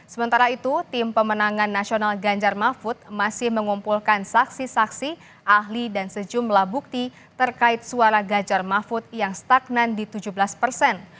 sementara itu tim pemenangan nasional ganjar mahfud masih mengumpulkan saksi saksi ahli dan sejumlah bukti terkait suara ganjar mahfud yang stagnan di tujuh belas persen